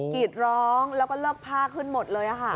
กรีชร้องแล้วลอบผ้าขึ้นหมดละค่ะ